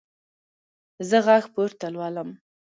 زه غږ پورته لولم.